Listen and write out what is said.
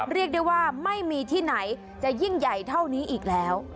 เรียกได้ว่าไม่มีที่ไหนจะยิ่งใหญ่เท่านี้อีกแล้ว